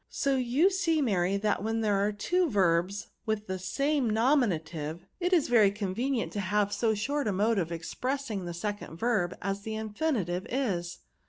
So you see, Mary, that when there are two verbs with the same nominative^ it is very con« VERBS. 229 venient to have so short a mode of expressing the second verb as the infinitive is."